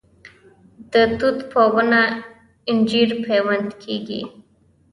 د توت په ونه انجیر پیوند کیږي؟